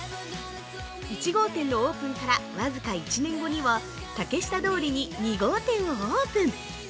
１号店のオープンから僅か１年後には、竹下通りに、２号店をオープン。